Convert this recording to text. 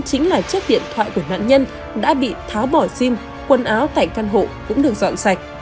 chính là chiếc điện thoại của nạn nhân đã bị tháo bỏ sim quần áo tại căn hộ cũng được dọn sạch